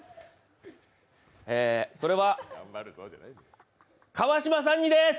それは、川島さんにです。